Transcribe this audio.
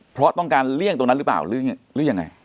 เพราะต้องการเลี่ยงตรงนั้นหรือเปล่าหรือยังไง